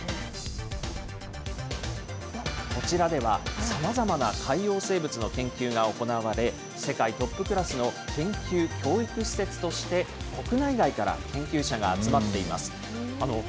こちらではさまざまな海洋生物の研究が行われ、世界トップクラスの研究、教育施設として国内外から研究者が集まっています。